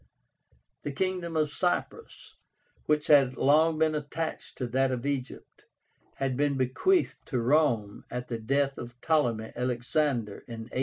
The kingdom of Cyprus, which had long been attached to that of Egypt, had been bequeathed to Rome at the death of Ptolemy Alexander in 80.